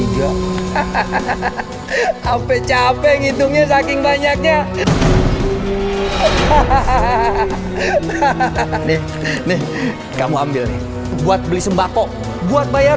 sampai capek hitungnya saking banyaknya hahaha hahaha kamu ambil buat beli sembako buat bayar